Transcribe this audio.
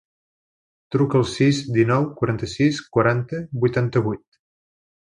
Truca al sis, dinou, quaranta-sis, quaranta, vuitanta-vuit.